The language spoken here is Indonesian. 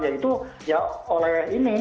ya itu oleh ini